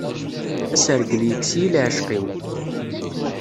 Asergel yekkes-iyi leɛceq-iw.